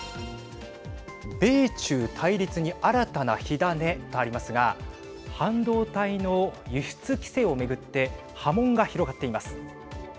米中対立に新たな火種とありますが半導体の輸出規制を巡って波紋が広がっています。